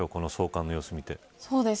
送還の様子を見て。